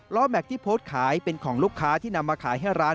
แม็กซที่โพสต์ขายเป็นของลูกค้าที่นำมาขายให้ร้าน